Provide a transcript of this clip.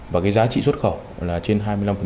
và cái giá trị xuất khẩu là trên hai mươi năm